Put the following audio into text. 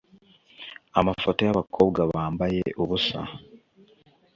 amafoto y’abakobwa bambaye ubusa